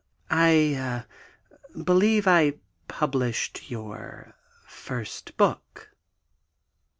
"I ... eh ... believe I published your first book